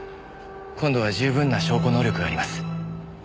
今度は十分な証拠能力があります。